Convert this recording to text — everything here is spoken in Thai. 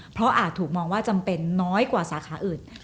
เพราะอาจถูกมองว่าจำเป็นน้อยกว่าสาขาอื่น